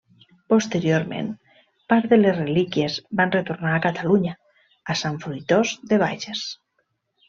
Posteriorment, part de les relíquies van retornar a Catalunya, a Sant Fruitós de Bages.